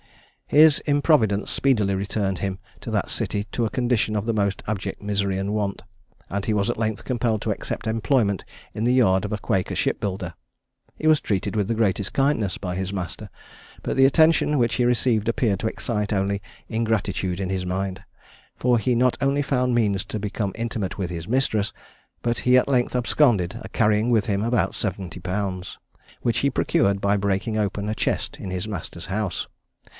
His improvidence speedily reduced him in that city to a condition of the most abject misery and want, and he was at length compelled to accept employment in the yard of a quaker shipbuilder. He was treated with the greatest kindness, by his master, but the attention which he received appeared to excite only ingratitude in his mind: for he not only found means to become intimate with his mistress, but he at length absconded, carrying with him about 70_l._, which he procured by breaking open a chest in his master's house.